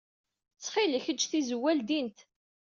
Ttxil-k, ejj tizewwa ledyent.